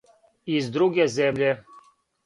Из друге земље.